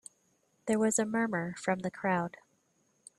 There was a murmur from the crowd.